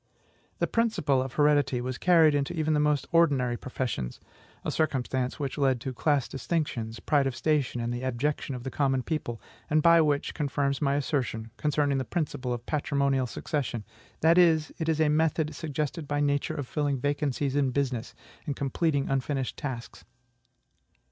The principle of heredity was carried into even the most ordinary professions, a circumstance which led to class distinctions, pride of station, and abjection of the common people, and which confirms my assertion, concerning the principle of patrimonial succession, that it is a method suggested by Nature of filling vacancies in business, and completing unfinished tasks.